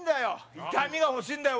痛みが欲しいんだよ